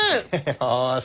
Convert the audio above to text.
よし！